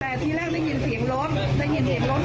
แต่ทีแรกได้ยินเสียงรถได้ยินเหตุรถ